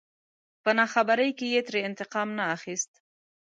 په ناخبرۍ کې يې ترې انتقام نه اخست.